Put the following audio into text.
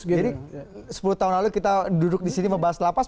jadi sepuluh tahun lalu kita duduk di sini membahas lapas